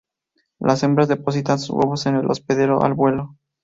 Las hembras depositan sus huevos en el hospedero al vuelo.